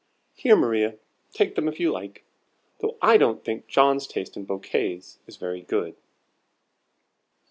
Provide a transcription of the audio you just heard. Here, Maria, take 'em if you like. Though I don't think John's taste in bouquets is very good."